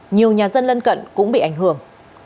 nhiều nhà dân lân cận cũng bị ảnh hưởng